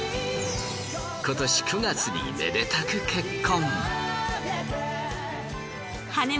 今年９月にめでたく結婚。